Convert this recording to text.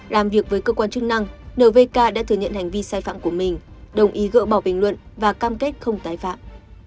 làm việc với cơ quan chức năng nvk đã thừa nhận hành vi sai phạm của mình đồng ý gỡ bỏ bình luận và cam kết không tái phạm